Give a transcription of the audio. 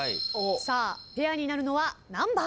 さあペアになるのは何番？